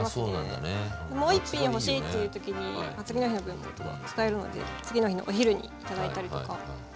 もう一品欲しいっていう時に次の日の分も使えるので次の日のお昼に頂いたりとか。